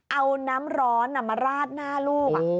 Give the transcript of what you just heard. เอาน้ำร้อนมาราดหน้าลูก